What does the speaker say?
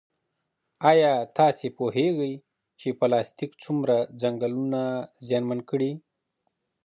ایا تاسو پوهېږئ چې پلاستیک څومره ځنګلونه زیانمن کړي؟